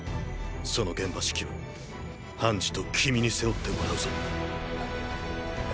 その現場指揮はハンジと君に背負ってもらうぞ。